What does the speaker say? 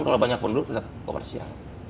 kalau banyak penduduk tidak komersil